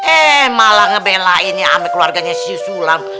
eh malah ngebelainnya ama keluarganya si sulam